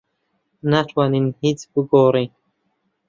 ناتوانین هیچ بگۆڕین.